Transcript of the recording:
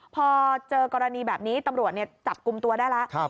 พอเจอกรณีแบบนี้ตำรวจจับกลุ่มตัวได้แล้ว